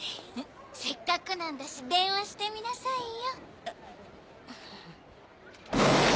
せっかくなんだし電話してみなさいよ。